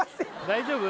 大丈夫？